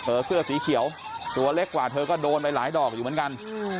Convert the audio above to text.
เสื้อสีเขียวตัวเล็กกว่าเธอก็โดนไปหลายดอกอยู่เหมือนกัน